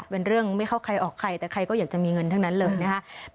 เป็นเรื่องไม่เข้าใครออกใครแต่ใครก็อยากจะมีเงินทั้งนั้นเลยนะคะ